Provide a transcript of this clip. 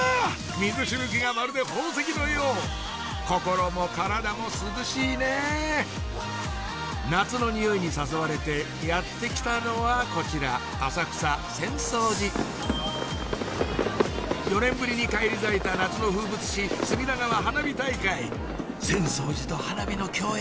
水しぶきがまるで宝石のよう心も体も涼しいね夏の匂いに誘われてやって来たのはこちら浅草浅草寺４年ぶりに返り咲いた夏の風物詩隅田川花火大会浅草寺と花火の共演